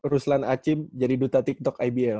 ruslan acib jadi duta tiktok ibl